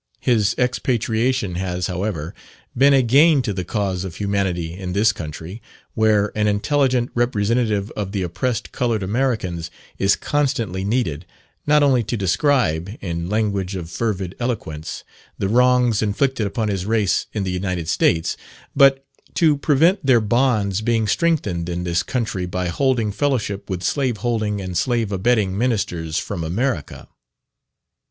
His expatriation has, however, been a gain to the cause of humanity in this country, where an intelligent representative of the oppressed coloured Americans is constantly needed, not only to describe, in language of fervid eloquence, the wrongs inflicted upon his race in the United States, but to prevent their bonds being strengthened in this country by holding fellowship with slave holding and slave abetting ministers from America.